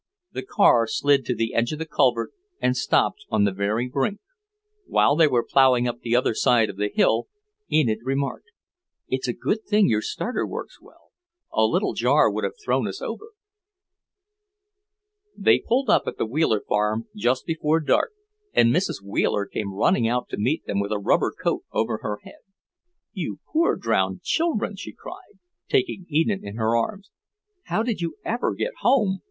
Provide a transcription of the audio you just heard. The car slid to the edge of the culvert and stopped on the very brink. While they were ploughing up the other side of the hill, Enid remarked; "It's a good thing your starter works well; a little jar would have thrown us over." They pulled up at the Wheeler farm just before dark, and Mrs. Wheeler came running out to meet them with a rubber coat over her head. "You poor drowned children!" she cried, taking Enid in her arms. "How did you ever get home?